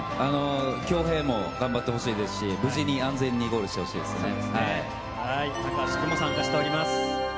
恭平も頑張ってほしいですし、無事に安全にゴールしてほしいで高橋君も参加しております。